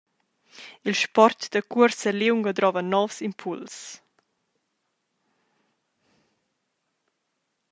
Il sport da cuorsa liunga drova novs impuls.